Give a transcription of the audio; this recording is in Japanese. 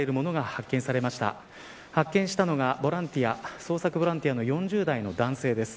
発見したのがボランティア捜索ボランティアの４０代の男性です。